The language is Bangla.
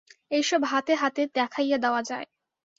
এইসব হাতে হাতে দেখাইয়া দেওয়া যায়।